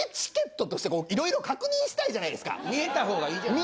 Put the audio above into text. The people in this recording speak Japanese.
見えた方がいいじゃない。